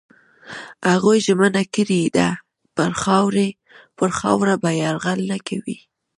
هغوی ژمنه کړې ده پر خاوره به یرغل نه کوي.